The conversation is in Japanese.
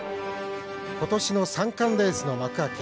今年の三冠レースの幕開け